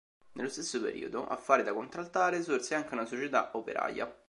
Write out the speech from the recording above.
Nello stesso periodo, a fare da contraltare, sorse anche una Società Operaia.